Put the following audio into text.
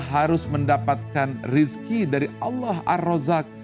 harus mendapatkan rizki dari allah ar rozak